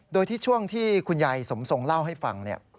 โดยที่ช่วงที่คุณยายสมทรงเล่าให้ฟังเนี่ย